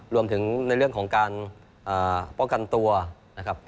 รวมถึงในเรื่องของการป้องกันตัวนะครับ